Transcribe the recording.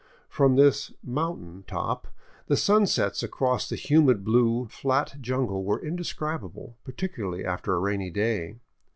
From this " mountain " top the sunsets across the humid blue, flat jungle were indescribable, particularly after a rainy day.